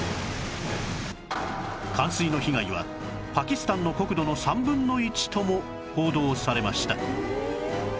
冠水の被害はパキスタンの国土の３分の１とも報道されました